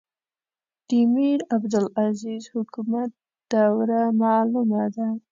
د میرعبدالعزیز حکومت دوره معلومه ده.